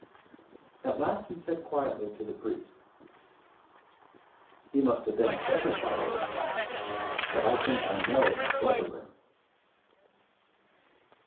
At last he said quietly to the priest: "He must have been a clever fellow, but I think I know a cleverer."